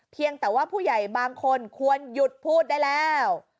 เพียงแต่ว่าผู้ใหญ่บางคนควรหยุดพูดได้แล้ว